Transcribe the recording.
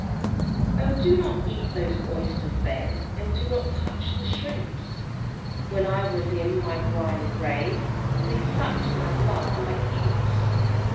XII. "Oh, do not eat those oysters then, And do not touch the shrimps; When I was in my briny grave, They sucked my blood like imps!"